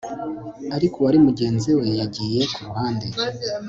Ariko uwari mugenzi we yagiye ku ruhande